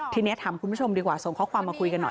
ทีนี้ถามคุณผู้ชมดีกว่าส่งข้อความมาคุยกันหน่อย